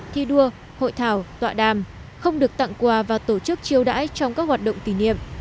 thi đua hội thảo tọa đàm không được tặng quà và tổ chức chiêu đãi trong các hoạt động kỷ niệm